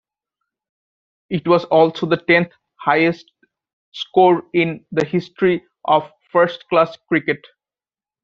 It was also the tenth-highest score in the history of first-class cricket.